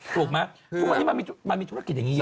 ถูกไหมทุกวันนี้มันมีธุรกิจอย่างนี้เยอะ